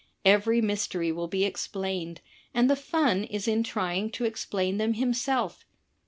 Every mystery will be explained and the fun is in trying to explain them him self.